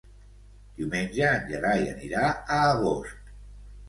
Diumenge en Gerai anirà a Agost.